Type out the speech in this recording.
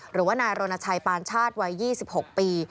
หรือว่านายรณชัยปานชาติวัย๒๖ปี